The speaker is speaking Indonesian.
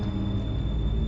aku bisa sembuh